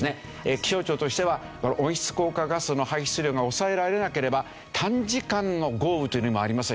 気象庁としてはこの温室効果ガスの排出量が抑えられなければ短時間の豪雨というのもありますねよく。